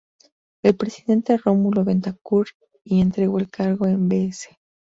El presidente Rómulo Betancourt y entregó el cargo con Bs.